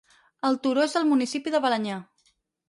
El turó és del municipi de Balenyà.